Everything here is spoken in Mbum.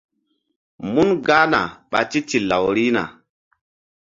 Mun gahna ɓa titil law rihna.